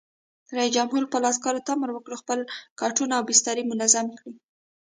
رئیس جمهور خپلو عسکرو ته امر وکړ؛ خپل کټونه او بسترې منظم کړئ!